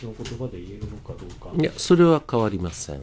いえ、それは変わりません。